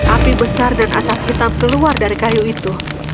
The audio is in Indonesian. api besar dan asap hitam keluar dari kayu itu